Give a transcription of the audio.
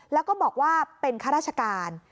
แล้วก็บอกว่าเป็นข้าราชการ